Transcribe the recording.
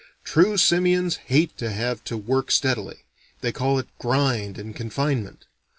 True simians hate to have to work steadily: they call it grind and confinement.